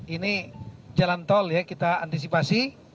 ini jalan tol ya kita antisipasi